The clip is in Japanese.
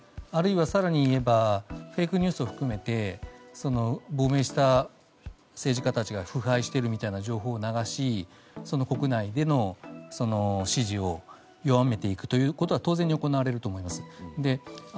あるいは、更に言えばフェイクニュースを含めて亡命した政治家たちが腐敗しているみたいな情報を流し国内での支持を弱めていくということは当然に行われると思います。